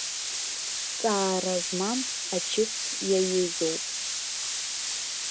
Ҵаара змам ачыс иаҩызоуп.